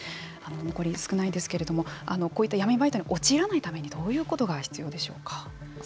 残り少ないですけれどもこういった闇バイトに陥らないためにどういうことが必要でしょうか。